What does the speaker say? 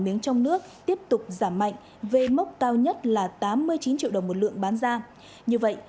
miếng trong nước tiếp tục giảm mạnh về mốc cao nhất là tám mươi chín triệu đồng một lượng bán ra như vậy